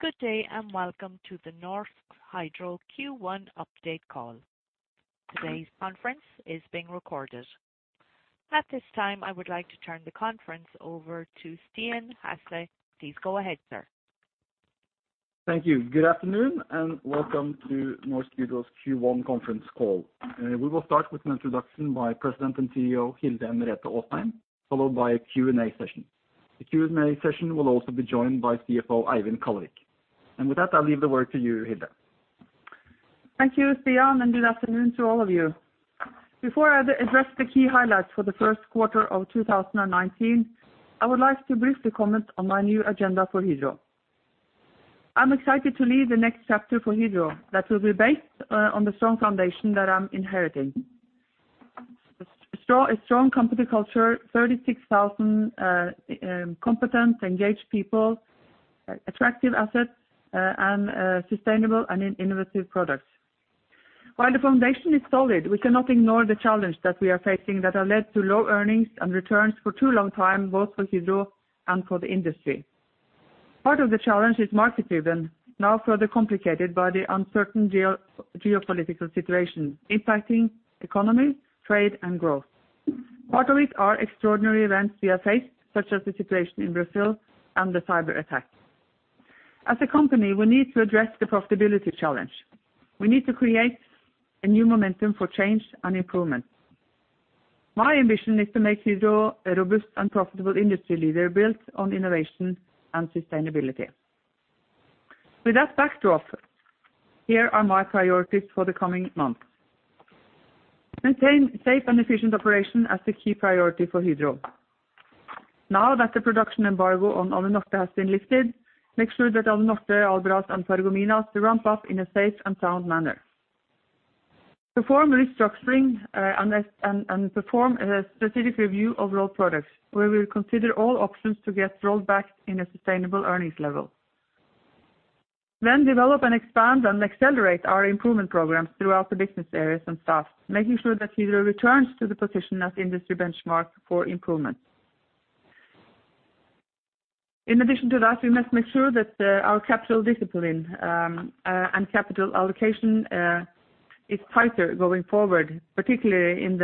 Good day, welcome to the Norsk Hydro Q1 update call. Today's conference is being recorded. At this time, I would like to turn the conference over to Stian Hasle. Please go ahead, sir. Thank you. Good afternoon, welcome to Norsk Hydro's Q1 conference call. We will start with an introduction by President and CEO Hilde Merete Aasheim, followed by a Q&A session. The Q&A session will also be joined by CFO Eivind Kallevik. With that, I'll leave the word to you, Hilde. Thank you, Stian, good afternoon to all of you. Before I address the key highlights for the first quarter of 2019, I would like to briefly comment on my new agenda for Hydro. I'm excited to lead the next chapter for Hydro that will be based on the strong foundation that I'm inheriting. A strong company culture, 36,000 competent, engaged people, attractive assets, and sustainable and innovative products. While the foundation is solid, we cannot ignore the challenge that we are facing that have led to low earnings and returns for too long time, both for Hydro and for the industry. Part of the challenge is market-driven, now further complicated by the uncertain geopolitical situation impacting economy, trade, and growth. Part of it are extraordinary events we have faced, such as the situation in Brazil and the cyber attack. As a company, we need to address the profitability challenge. We need to create a new momentum for change and improvement. My ambition is to make Hydro a robust and profitable industry leader built on innovation and sustainability. With that backdrop, here are my priorities for the coming months. Maintain safe and efficient operation as a key priority for Hydro. Now that the production embargo on Alunorte has been lifted, make sure that Alunorte, Albras, and Paragominas ramp up in a safe and sound manner. Perform restructuring, perform a strategic review of Rolled Products, where we will consider all options to get rolled back in a sustainable earnings level. Develop and expand and accelerate our improvement programs throughout the business areas and staff, making sure that Hydro returns to the position as industry benchmark for improvement. In addition to that, we must make sure that our capital discipline and capital allocation is tighter going forward, particularly in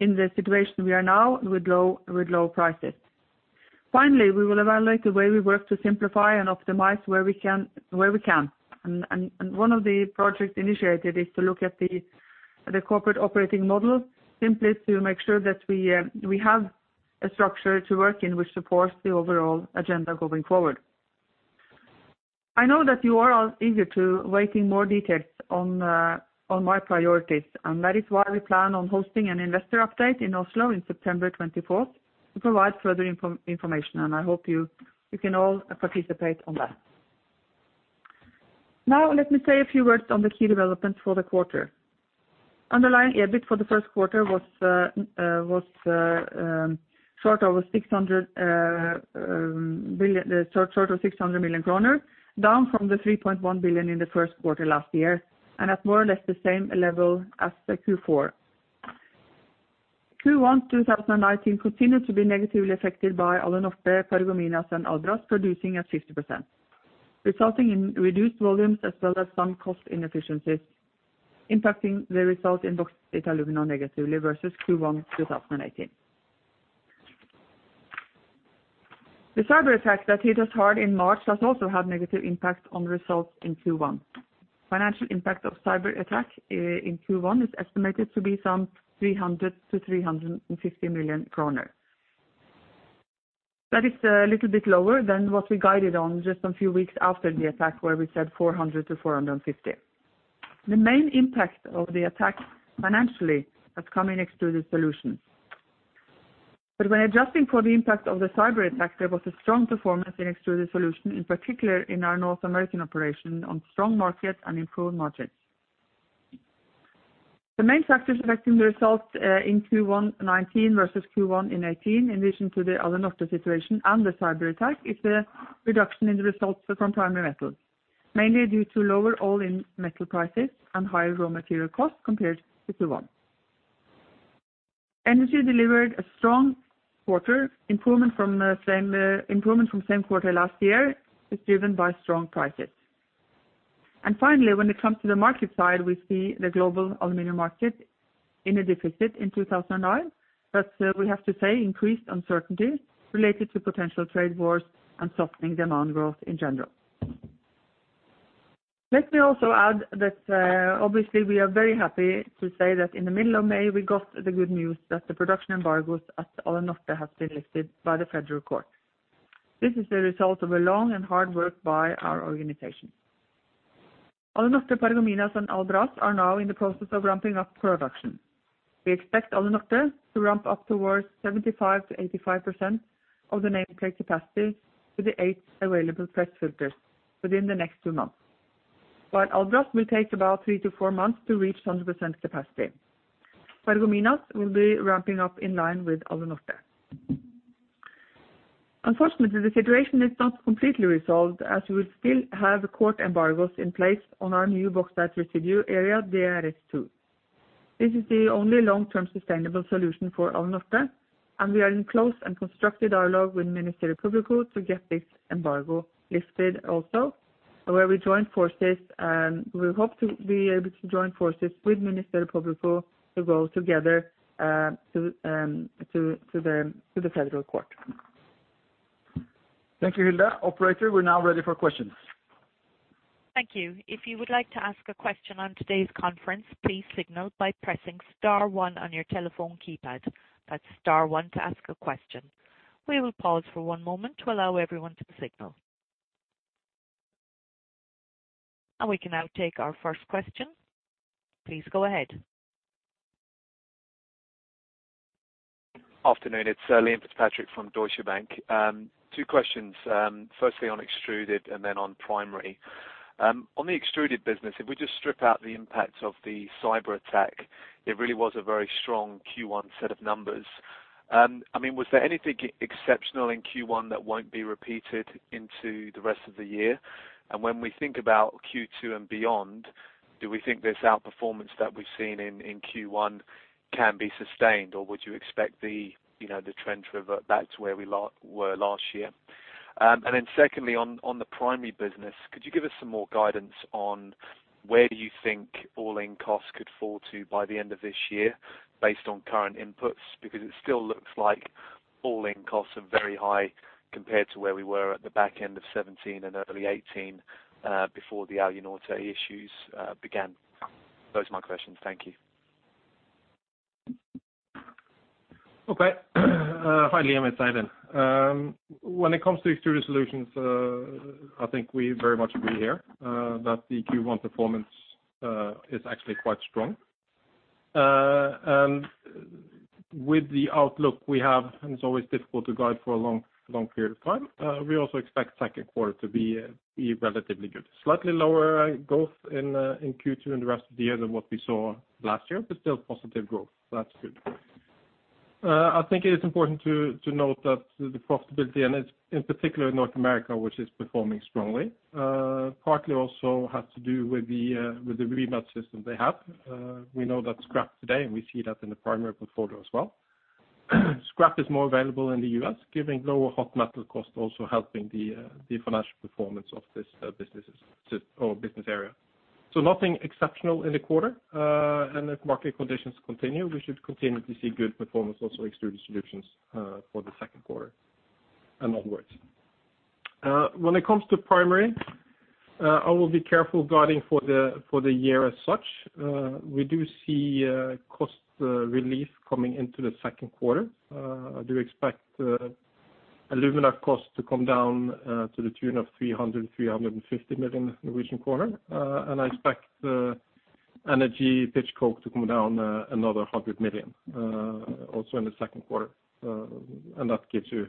the situation we are now with low prices. We will evaluate the way we work to simplify and optimize where we can. One of the projects initiated is to look at the corporate operating model simply to make sure that we have a structure to work in which supports the overall agenda going forward. I know that you are all eager to waiting more details on my priorities, That is why we plan on hosting an investor update in Oslo in September 24th to provide further information, I hope you can all participate on that. Let me say a few words on the key developments for the quarter. Underlying EBIT for the first quarter was short of 600 million kroner, down from the 3.1 billion in the first quarter last year, and at more or less the same level as the Q4. Q1 2019 continued to be negatively affected by Alunorte, Paragominas, and Albras producing at 50%, resulting in reduced volumes as well as some cost inefficiencies impacting the results in mined aluminum negatively versus Q1 2018. The cyber attack that hit us hard in March has also had negative impacts on results in Q1. Financial impact of cyber attack in Q1 is estimated to be some 300 million-350 million kroner. That is a little bit lower than what we guided on just a few weeks after the attack, where we said 400 million-450 million. The main impact of the attack financially has come in Extruded Solutions. When adjusting for the impact of the cyber attack, there was a strong performance in Extruded Solutions, in particular in our North American operation on strong market and improved margins. The main factors affecting the results in Q1 2019 versus Q1 2018, in addition to the Alunorte situation and the cyber attack, is the reduction in the results from Primary Metal, mainly due to lower all-in metal prices and higher raw material costs compared to Q1. Energy delivered a strong quarter. Improvement from same quarter last year is driven by strong prices. Finally, when it comes to the market side, we see the global aluminum market in a deficit in 2009. We have to say increased uncertainty related to potential trade wars and softening demand growth in general. Let me also add that obviously we are very happy to say that in the middle of May, we got the good news that the production embargoes at Alunorte has been lifted by the federal court. This is the result of a long and hard work by our organization. Alunorte, Paragominas, and Albras are now in the process of ramping up production. We expect Alunorte to ramp up towards 75%-85% of the nameplate capacity to the eight available press filters within the next two months. Albras will take about three to four months to reach 100% capacity. Paragominas will be ramping up in line with Alunorte. Unfortunately, the situation is not completely resolved as we will still have court embargoes in place on our new bauxite residue area, DRS2. This is the only long-term sustainable solution for Alunorte, and we are in close and constructive dialogue with Ministério Público to get this embargo lifted also, where we hope to be able to join forces with Ministério Público to go together to the federal court. Thank you, Hilde. Operator, we're now ready for questions. Thank you. If you would like to ask a question on today's conference, please signal by pressing star one on your telephone keypad. That's star one to ask a question. We will pause for one moment to allow everyone to signal. We can now take our first question. Please go ahead. Afternoon. It's Liam Fitzpatrick from Deutsche Bank. Two questions. Firstly on Extruded and then on Primary. On the Extruded business, if we just strip out the impact of the cyber attack, it really was a very strong Q1 set of numbers. Was there anything exceptional in Q1 that won't be repeated into the rest of the year? When we think about Q2 and beyond, do we think this out-performance that we've seen in Q1 can be sustained, or would you expect the trend to revert back to where we were last year? Secondly, on the Primary business, could you give us some more guidance on where do you think all-in costs could fall to by the end of this year based on current inputs? It still looks like all-in costs are very high compared to where we were at the back end of 2017 and early 2018, before the Alunorte issues began. Those are my questions. Thank you. Okay. Hi, Liam. It's Eivind. When it comes to Extruded Solutions, I think we very much agree here, that the Q1 performance is actually quite strong. With the outlook we have, and it's always difficult to guide for a long period of time, we also expect second quarter to be relatively good. Slightly lower growth in Q2 and the rest of the year than what we saw last year, but still positive growth. That's good. I think it is important to note that the profitability, and in particular North America, which is performing strongly, partly also has to do with the remelt system they have. We know that scrap today, and we see that in the primary portfolio as well. Scrap is more available in the U.S., giving lower hot metal cost, also helping the financial performance of this business area. Nothing exceptional in the quarter. If market conditions continue, we should continue to see good performance, also Extruded Solutions for the second quarter and onwards. When it comes to Primary Metal, I will be careful guiding for the year as such. We do see cost relief coming into the second quarter. I do expect alumina costs to come down to the tune of 300 million-350 million. I expect energy pitch coke to come down another 100 million, also in the second quarter. That gives you,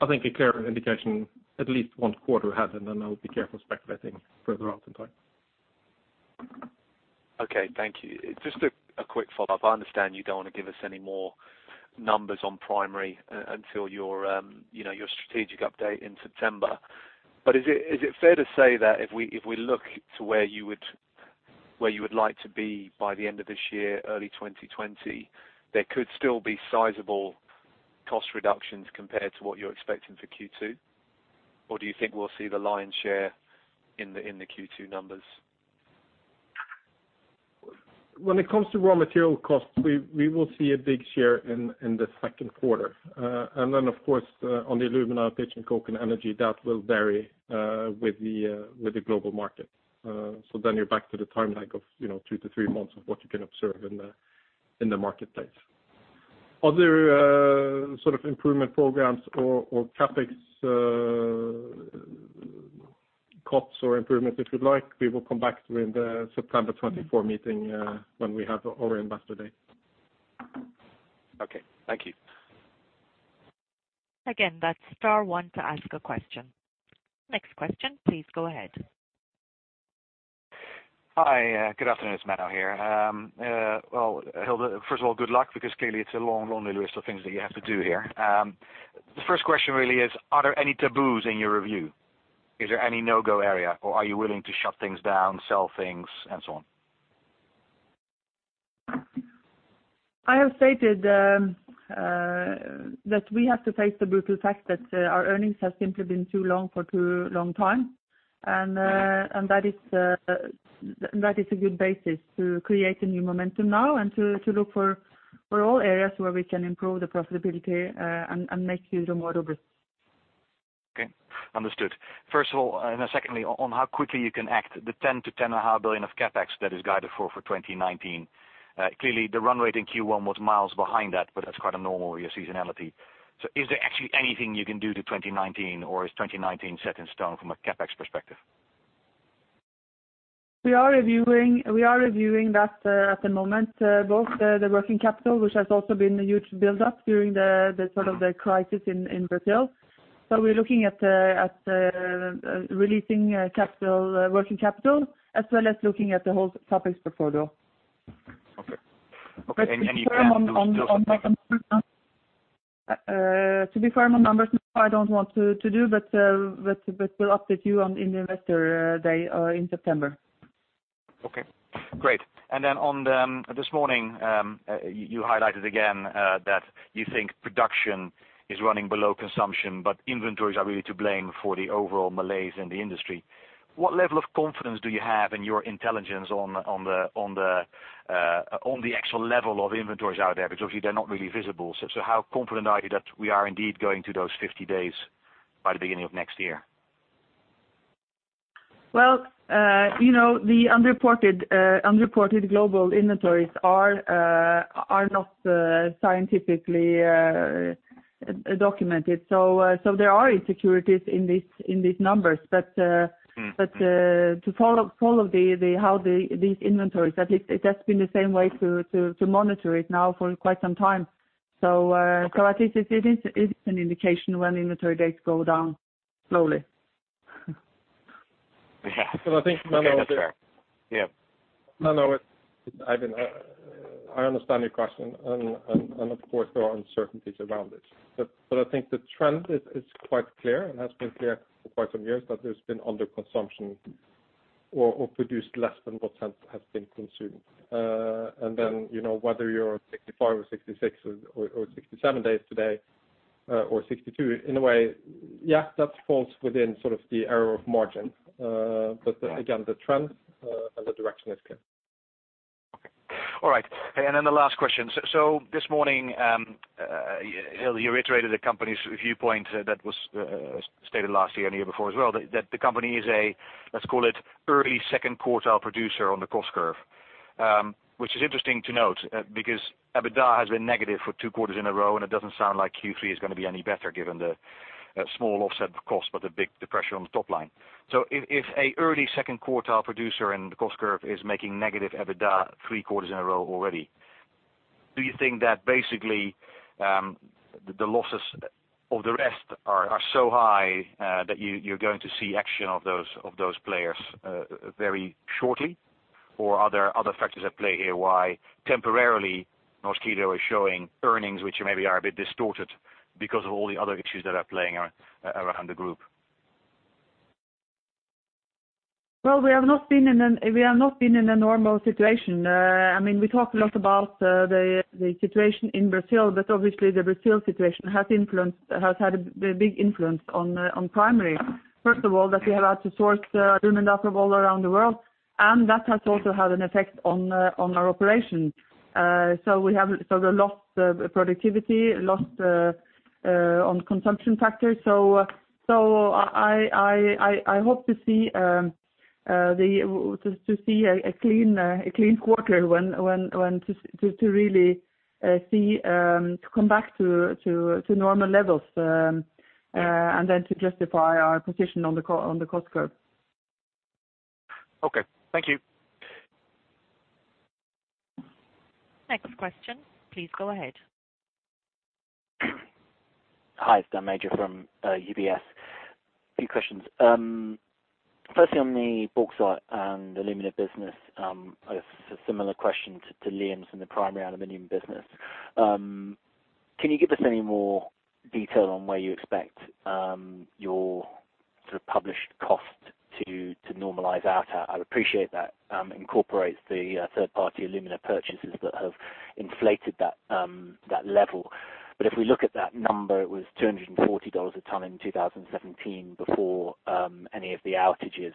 I think, a clear indication at least one quarter ahead, and then I would be careful speculating further out in time. Okay. Thank you. Just a quick follow-up. I understand you don't want to give us any more numbers on Primary Metal until your strategic update in September. Is it fair to say that if we look to where you would like to be by the end of this year, early 2020, there could still be sizable cost reductions compared to what you're expecting for Q2? Do you think we'll see the lion's share in the Q2 numbers? When it comes to raw material costs, we will see a big share in the second quarter. Of course, on the alumina, pitch and coke, and energy, that will vary with the global market. You're back to the timeline of two to three months of what you can observe in the marketplace. Other sort of improvement programs or CapEx cuts or improvements, if you'd like, we will come back to in the September 24 meeting, when we have our Investor Day. Okay. Thank you. Again, that's star one to ask a question. Next question, please go ahead. Hi, good afternoon. It's Mano here. Hilde, first of all, good luck, because clearly it's a long list of things that you have to do here. The first question really is, are there any taboos in your review? Is there any no-go area, or are you willing to shut things down, sell things, and so on? I have stated that we have to face the brutal fact that our earnings have simply been too low for too long time. That is a good basis to create a new momentum now and to look for all areas where we can improve the profitability and make use of more of it. Okay. Understood. First of all, then secondly, on how quickly you can act, the 10 billion to 10 and a half billion of CapEx that is guided for 2019. Clearly the run rate in Q1 was miles behind that's quite a normal year seasonality. Is there actually anything you can do to 2019, or is 2019 set in stone from a CapEx perspective? We are reviewing that at the moment, both the working capital, which has also been a huge buildup during the crisis in Brazil. We're looking at releasing working capital, as well as looking at the whole CapEx portfolio. Okay. Then you can still say. To be fair, my numbers, no, I don't want to do. We'll update you on Investor Day in September. Okay, great. On this morning, you highlighted again that you think production is running below consumption. Inventories are really to blame for the overall malaise in the industry. What level of confidence do you have in your intelligence on the actual level of inventories out there? Obviously they're not really visible. How confident are you that we are indeed going to those 50 days by the beginning of next year? Well, the unreported global inventories are not scientifically documented. There are insecurities in these numbers. To follow these inventories, that's been the same way to monitor it now for quite some time. At least it is an indication when inventory days go down slowly. Yeah. I think. Okay, that's fair. Yeah. I understand your question and of course there are uncertainties around it. I think the trend is quite clear and has been clear for quite some years that there's been under consumption or produced less than what has been consumed. Then, whether you're at 65 or 66 or 67 days today, or 62, in a way, yeah, that falls within sort of the error of margin. Again, the trend and the direction is clear. Okay. All right. The last question. This morning, Hilde, you reiterated the company's viewpoint that was stated last year and the year before as well, that the company is a, let's call it, early second quartile producer on the cost curve. Which is interesting to note, because EBITDA has been negative for two quarters in a row, and it doesn't sound like Q3 is going to be any better given the small offset of cost, but the big depression on the top line. If a early second quartile producer in the cost curve is making negative EBITDA three quarters in a row already, do you think that basically, the losses of the rest are so high that you're going to see action of those players very shortly? Are there other factors at play here why temporarily Norsk Hydro is showing earnings which maybe are a bit distorted because of all the other issues that are playing around the group? Well, we have not been in a normal situation. We talk a lot about the situation in Brazil, but obviously the Brazil situation has had a big influence on Primary Metal. First of all, that we have had to source alumina all around the world, and that has also had an effect on our operations. We have lost productivity, lost on consumption factors. I hope to see a clean quarter to really come back to normal levels, to justify our position on the cost curve. Okay. Thank you. Next question, please go ahead. Hi, it's Daniel Major from UBS. Few questions. Firstly, on the Bauxite & Alumina business, a similar question to Liam's in the Primary Metal business. Can you give us any more detail on where you expect your published cost to normalize out at? I would appreciate that incorporates the third-party alumina purchases that have inflated that level. If we look at that number, it was $240 a ton in 2017 before any of the outages.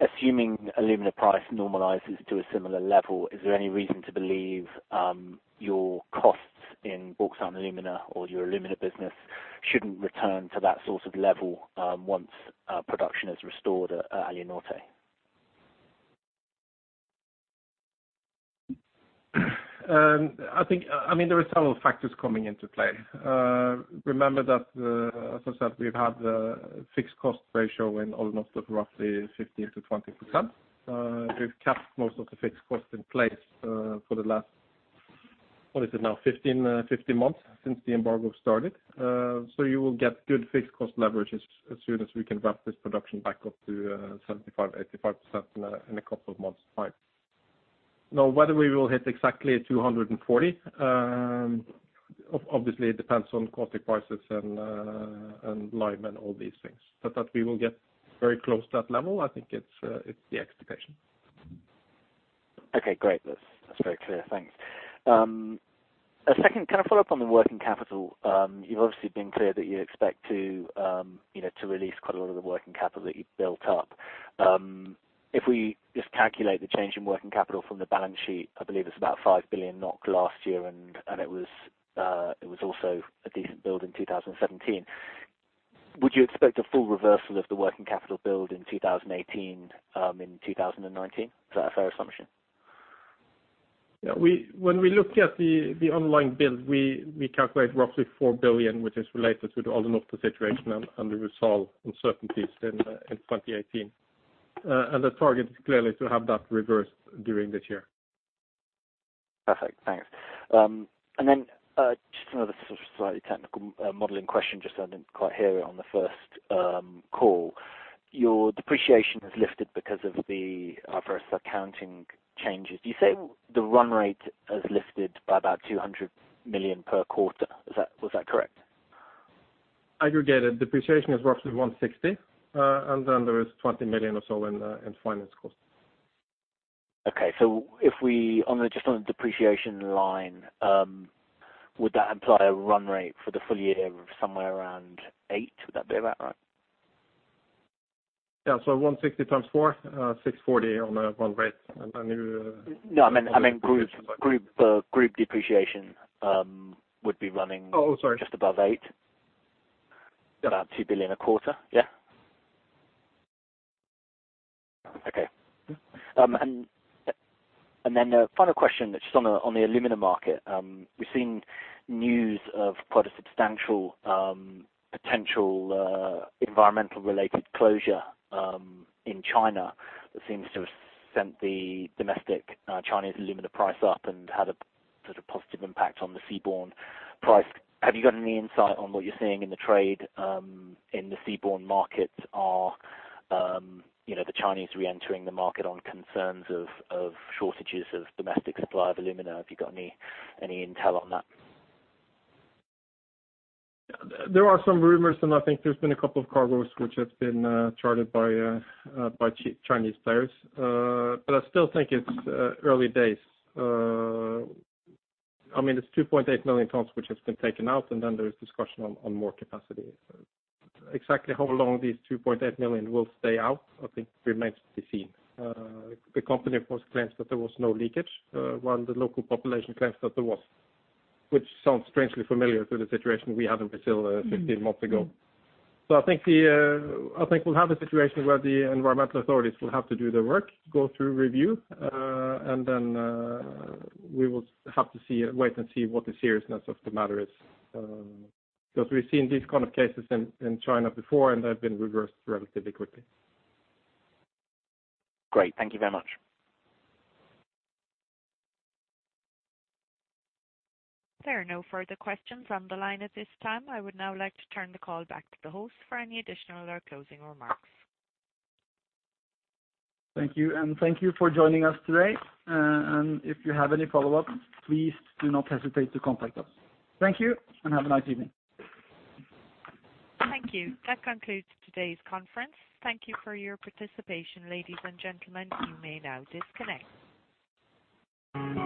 Assuming alumina price normalizes to a similar level, is there any reason to believe your costs in Bauxite & Alumina or your alumina business shouldn't return to that sort of level once production is restored at Alunorte? There are several factors coming into play. Remember that, as I said, we've had a fixed cost ratio in Alunorte of roughly 15%-20%. We've kept most of the fixed costs in place for the last, what is it now, 15 months since the embargo started. You will get good fixed cost leverage as soon as we can ramp this production back up to 75%-85% in a couple of months' time. Whether we will hit exactly 240, obviously it depends on pitch and coke prices and lime and all these things. That we will get very close to that level, I think it's the expectation. Okay, great. That's very clear. Thanks. Second, can I follow up on the working capital? You've obviously been clear that you expect to release quite a lot of the working capital that you've built up. If we just calculate the change in working capital from the balance sheet, I believe it's about 5 billion NOK last year, and it was also a decent build in 2017. Would you expect a full reversal of the working capital build in 2018, in 2019? Is that a fair assumption? Yeah. When we look at the underlying build, we calculate roughly 4 billion, which is related to the Alunorte situation and the resolve uncertainties in 2018. The target is clearly to have that reversed during this year. Perfect, thanks. Just another sort of slightly technical modeling question, just I didn't quite hear it on the first call. Your depreciation has lifted because of the IFRS accounting changes. You say the run rate has lifted by about 200 million per quarter. Was that correct? Aggregated depreciation is roughly 160, and then there is 20 million or so in finance costs. Okay. Just on the depreciation line, would that imply a run rate for the full year of somewhere around 8? Would that be about right? Yeah. 160 times four, 640 on a run rate. I mean. No, I meant group depreciation would be running. Oh, sorry just above eight. Yeah. About 2 billion a quarter. Yeah? Okay. A final question, just on the alumina market. We've seen news of quite a substantial potential environmental-related closure in China that seems to have sent the domestic Chinese alumina price up and had a sort of positive impact on the seaborne price. Have you got any insight on what you're seeing in the trade in the seaborne markets? Are the Chinese re-entering the market on concerns of shortages of domestic supply of alumina? Have you got any intel on that? I think there's been a couple of cargoes which have been charted by Chinese players. I still think it's early days. It's 2.8 million tons which has been taken out, and then there is discussion on more capacity. Exactly how long these 2.8 million will stay out, I think remains to be seen. The company, of course, claims that there was no leakage, while the local population claims that there was, which sounds strangely familiar to the situation we had in Brazil 15 months ago. I think we'll have a situation where the environmental authorities will have to do their work, go through review, and then we will have to wait and see what the seriousness of the matter is. We've seen these kind of cases in China before, and they've been reversed relatively quickly. Great. Thank you very much. There are no further questions on the line at this time. I would now like to turn the call back to the host for any additional or closing remarks. Thank you, thank you for joining us today. If you have any follow-ups, please do not hesitate to contact us. Thank you, and have a nice evening. Thank you. That concludes today's conference. Thank you for your participation, ladies and gentlemen. You may now disconnect.